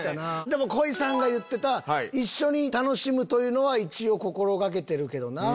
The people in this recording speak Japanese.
でも恋さんが言ってた「一緒に楽しむ」というのは一応心掛けてるけどな。